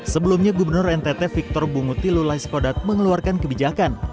sebelumnya gubernur ntt victor bunguti lulaiskodat mengeluarkan kebijakan